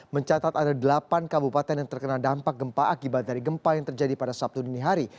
mencatat ada delapan kabupaten yang terkena dampak gempa akibat dari gempa yang terjadi pada sabtu dini hari